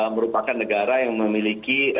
merupakan negara yang memiliki